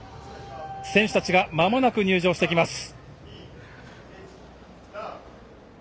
選手たちがまもなく入場してきます。